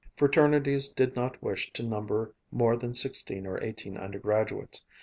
Fraternities did not wish to number more than sixteen or eighteen undergraduates.